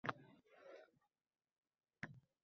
joningda eriydi gunohkor ahdlar.